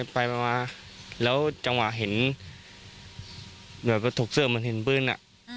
ไปมาแล้วจังหวะเห็นแบบว่าถกเสื้อเหมือนเห็นปืน